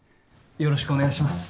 よろしくお願いします。